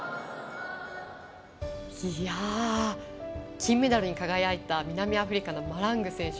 金メダルに輝いた南アフリカのマラング選手。